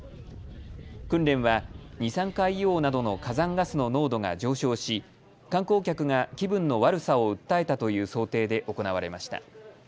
訓練は二酸化硫黄などの火山ガスの濃度が上昇し観光客が気分の悪さを訴えたという想定で行われました。